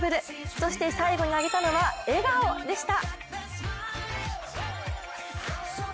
そして、最後に挙げたのは笑顔でした。